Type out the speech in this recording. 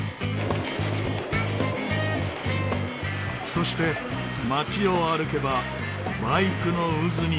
そして街を歩けばバイクの渦に出会います。